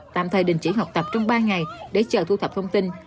tạm thời đình chỉ học tập trong ba ngày để chờ thu thập thông tin